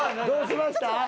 どうしました？